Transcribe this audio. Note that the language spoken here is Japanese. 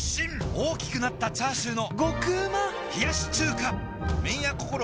大きくなったチャーシューの麺屋こころ